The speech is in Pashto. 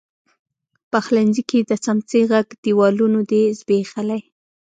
پخلنځي کې د څمڅۍ ږغ، دیوالونو دی زبیښلي